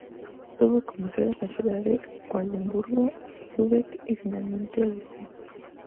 Tuvo como sedes las ciudades de Oldemburgo, Lübeck y finalmente Eutin.